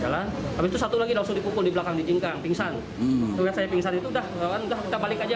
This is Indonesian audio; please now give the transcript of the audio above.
lihat saya pingsan itu udah kita balik aja